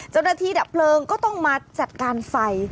เจ้าหน้าที่ดับเปลิงก็ต้องมาจัดการไฟ